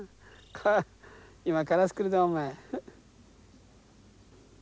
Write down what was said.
今カラス来るぞお前。